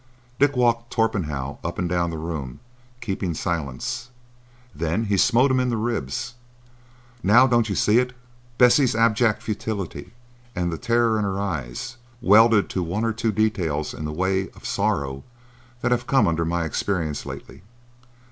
Dick walked Torpenhow up and down the room, keeping silence. Then he smote him in the ribs, "Now don't you see it? Bessie's abject futility, and the terror in her eyes, welded on to one or two details in the way of sorrow that have come under my experience lately.